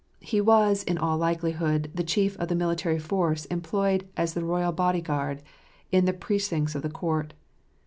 He was, in all likelihood, the chief of the military force employed as the royal body guard, in the pre cincts of the court.